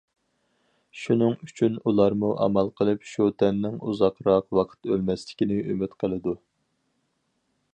شۇنىڭ ئۈچۈن ئۇلارمۇ ئامال قىلىپ شۇ تەننىڭ ئۇزاقراق ۋاقىت ئۆلمەسلىكىنى ئۈمىد قىلىدۇ.